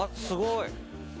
すごい！